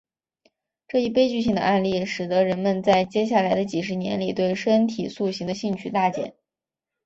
这一悲剧性的案例使得人们在接下来的几十年里对身体塑形的兴趣大减。